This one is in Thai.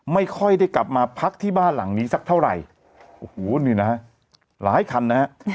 ไม่ค่อยได้กลับมาพักที่บ้านหลังนี้สักเท่าไหร่โอ้โหนี่นะฮะหลายคันนะฮะ